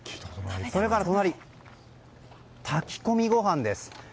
それから、炊き込みご飯です。